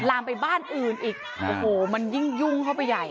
ลามไปบ้านอื่นอีกโอ้โหมันยิ่งยุ่งเข้าไปใหญ่